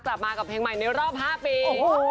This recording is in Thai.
กลับมากับเพลงใหม่ต้องบอกเลยนี้